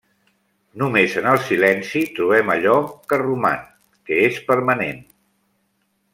Només en el silenci trobem allò que roman, que és permanent.